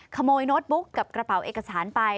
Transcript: โน้ตบุ๊กกับกระเป๋าเอกสารไป